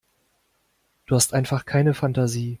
Du hast einfach keine Fantasie.